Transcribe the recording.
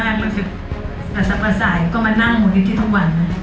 มันคือสัสประสายก็มานั่งมูลนิธิทุกวัน